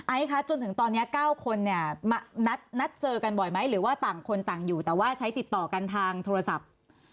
คะจนถึงตอนนี้๙คนเนี่ยนัดเจอกันบ่อยไหมหรือว่าต่างคนต่างอยู่แต่ว่าใช้ติดต่อกันทางโทรศัพท์